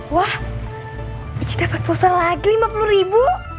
wah iji dapat pulsa lagi rp lima puluh